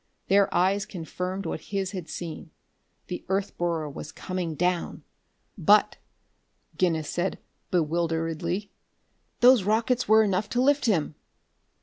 Their eyes confirmed what his had seen. The earth borer was coming down! "But," Guinness said bewilderedly, "those rockets were enough to lift him!"